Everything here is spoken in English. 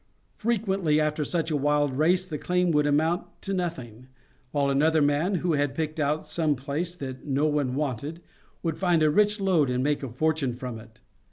Frequently after such a wild race the claim would amount to nothing, while another man, who had picked out some place that no one wanted, would find a rich lode and make a fortune from it.